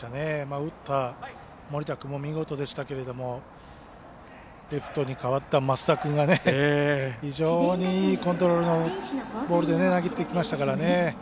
打った森田君も見事でしたけどもレフトに代わった増田君が非常にいいコントロールのボールで投げていきましたからね。